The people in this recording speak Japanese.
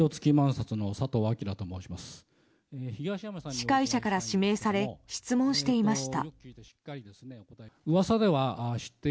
司会者から指名され質問していました。